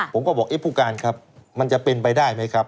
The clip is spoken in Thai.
ผมก็บอกเอ๊ะผู้การครับมันจะเป็นไปได้ไหมครับ